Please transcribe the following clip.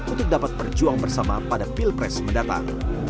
untuk dapat berjuang bersama pada pilpres mendatang